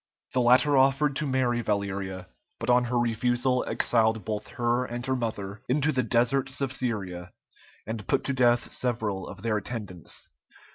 The latter offered to marry Valeria, but on her refusal exiled both her and her mother into the deserts of Syria, and put to death several of their attendants.